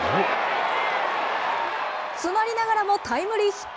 詰まりながらもタイムリーヒット。